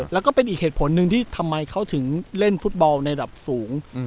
แล้วก็เป็นอีกเหตุผลหนึ่งที่ทำไมเขาถึงเล่นฟุตบอลในระดับสูง